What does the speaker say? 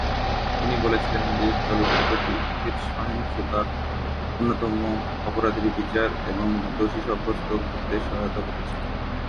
তিনি বলেছিলেন যে চলচ্চিত্রটি অ্যাসিড সহিংসতার অন্যতম অপরাধীর বিচার এবং দোষী সাব্যস্ত করতে সহায়তা করেছে।